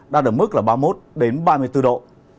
đến ba mươi bốn độ